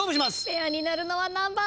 ペアになるのは何番？